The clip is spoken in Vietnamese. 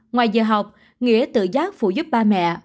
ngoài giờ học nghĩa tự giác phụ giúp ba mẹ